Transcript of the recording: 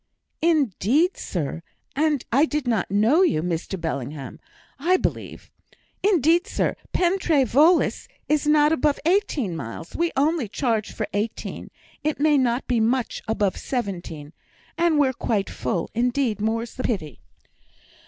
"Indeed, sir, and I did not know you; Mr Bellingham, I believe. Indeed, sir, Pen trê Voelas is not above eighteen miles we only charge for eighteen; it may not be much above seventeen; and we're quite full, indeed, more's the pity."